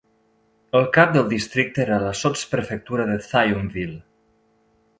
El cap del districte era la sotsprefectura de Thionville.